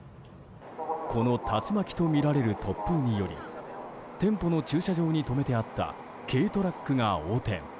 この竜巻とみられる突風により店舗の駐車場に止めてあった軽トラックが横転。